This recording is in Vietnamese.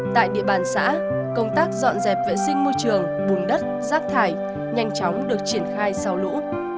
tại địa bàn xã công tác dọn dẹp vệ sinh môi trường bùn đất rác thải nhanh chóng được triển khai sau lũ